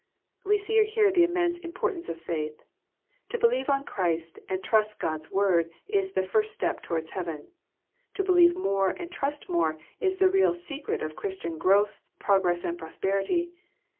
We see here the immense importance of faith. To believe on Christ, and trust God*s word, is the first step towards heaven. To believe more and trust more, is the real secret of Christian growth, progress, and prosperity.